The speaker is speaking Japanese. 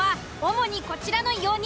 主にこちらの４人。